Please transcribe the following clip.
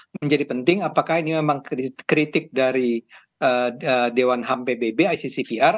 menjadi penting apakah ini memang kritik dari dewan ham pbb iccvr